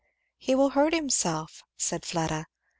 "He will hurt himself!" said Fleda.